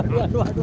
aduh aduh aduh